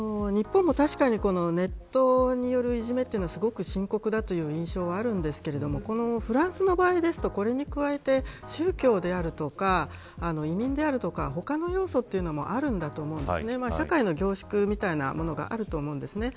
日本も確かにネットによるいじめというのはすごく深刻だという印象はあるんですがフランスの場合、これに加えて宗教であるとか移民であるとか他の要素というのもあるんだと思うんです。